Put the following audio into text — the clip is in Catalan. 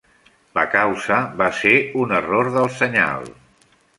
La causa va ser un error del senyal.